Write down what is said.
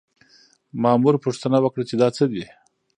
مامور پوښتنه وکړه چې دا څه دي؟